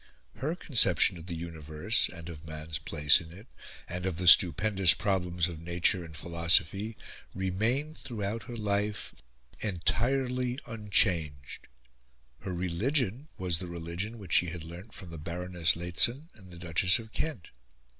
Her conception of the universe, and of man's place in it, and of the stupendous problems of nature and philosophy remained, throughout her life, entirely unchanged. Her religion was the religion which she had learnt from the Baroness Lehzen and the Duchess of Kent.